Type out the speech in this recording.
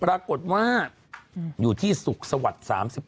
ปรากฏว่าอยู่ที่สุขสวัสดิ์๓๑